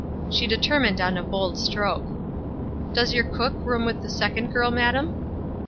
She de termined on a bold stroke. "Does your cook room with the second girl, madam